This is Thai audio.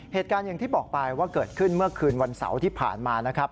เหตุการณ์อย่างที่บอกไปว่าเกิดขึ้นเมื่อคืนวันเสาร์ที่ผ่านมานะครับ